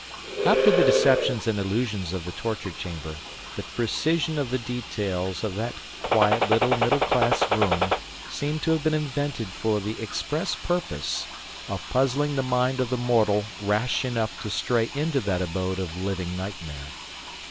After the deceptions and illusions of the torture chamber, the precision of the details of that quiet little middle class room seemed to have been invented for the express purpose of puzzling the mind of the mortal rash enough to stray into that abode of living nightmare.